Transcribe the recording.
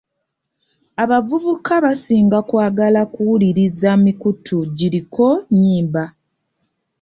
Abavubuka basinga kwagala kuwuliriza mikutu giriko nnyimba.